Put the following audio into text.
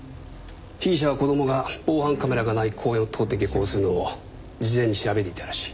被疑者は子供が防犯カメラがない公園を通って下校するのを事前に調べていたらしい。